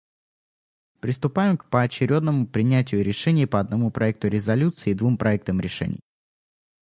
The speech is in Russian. Приступаем к поочередному принятию решений по одному проекту резолюции и двум проектам решений.